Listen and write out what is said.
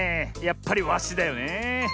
やっぱりワシだよねえ。